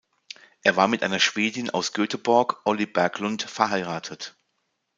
Er war mit einer Schwedin aus Göteborg, Ollie Berglund, verheiratet.